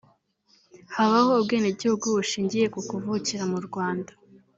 Habaho ubwenegihugu bushingiye ku kuvukira mu Rwanda